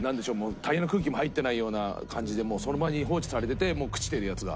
タイヤの空気も入ってないような感じでその場に放置されてて朽ちてるやつが。